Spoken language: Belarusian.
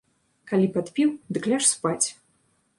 Калі падпіў, дык ляж спаць!